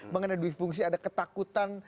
mengenai duit fungsi ada ketakutan